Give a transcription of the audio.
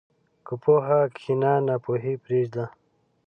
په پوهه کښېنه، ناپوهي پرېږده.